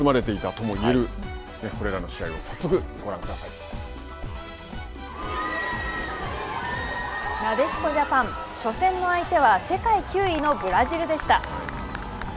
ベールに包まれていたともいえるこれらの試合をなでしこジャパン初戦の相手は世界９位のブラジルでした。